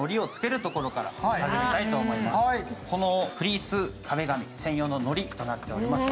このフリース壁紙専用ののりとなっております。